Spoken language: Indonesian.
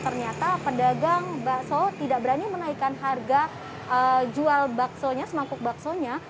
ternyata pedagang bakso tidak berani menaikkan harga jual baksonya semangkuk baksonya